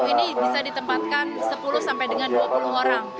ini bisa ditempatkan sepuluh sampai dengan dua puluh orang